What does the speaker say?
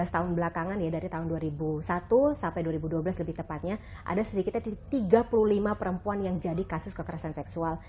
lima belas tahun belakangan ya dari tahun dua ribu satu sampai dua ribu dua belas lebih tepatnya ada sedikitnya tiga puluh lima perempuan yang jadi kasus kekerasan seksual